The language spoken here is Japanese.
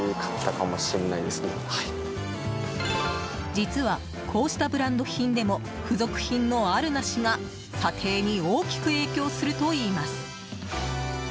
実は、こうしたブランド品でも付属品のあるなしが査定に大きく影響するといいます。